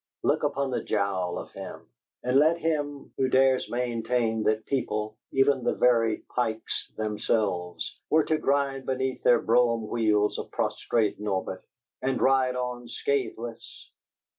Look upon the jowl of him, and let him who dares maintain that people even the very Pikes themselves were to grind beneath their brougham wheels a prostrate Norbert and ride on scatheless!